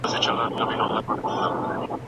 پر سرلوړي هري واوړه